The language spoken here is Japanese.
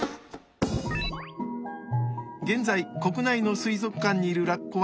現在国内の水族館にいるラッコは３頭です。